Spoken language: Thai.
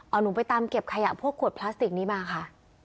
เอาหนูไปตามเก็บขยะพวกขวดพลาสติกนี้มาค่ะ